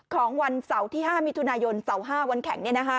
ของวันเสาร์ที่๕มิถุนายนเสาร์๕วันแข่ง